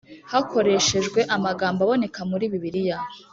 Hakoreshejwe amagambo aboneka muri bibiliya